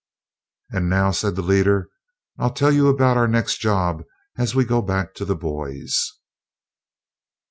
"And now," said the leader, "I'll tell you about our next job as we go back to the boys."